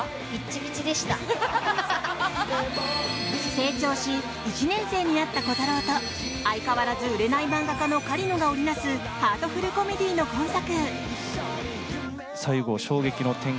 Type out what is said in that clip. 成長し１年生になったコタローと相変わらず売れない漫画家の狩野が織り成すハートフルコメディーの今作。